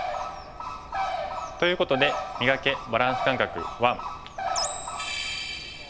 ということで「磨け！バランス感覚１」。